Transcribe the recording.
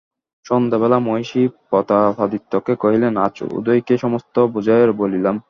সন্ধ্যাবেলা মহিষী প্রতাপাদিত্যকে কহিলেন আজ উদয়কে সমস্ত বুঝাইয়া বলিলাম।